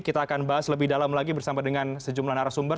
kita akan bahas lebih dalam lagi bersama dengan sejumlah narasumber